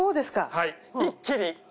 はい一気に。